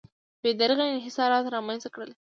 بې دریغه انحصارات رامنځته کړل.